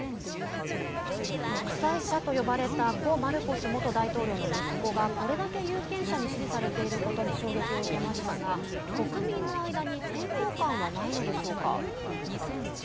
独裁者と呼ばれた故マルコス元大統領の息子がこれだけ有権者に支持されていることに衝撃を受けましたが国民の間に抵抗感はないのでしょうか？